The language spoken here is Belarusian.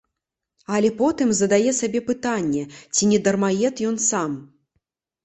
Але потым задае сабе пытанне, ці не дармаед ён сам?